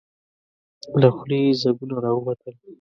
له خولې يې ځګونه راووتل.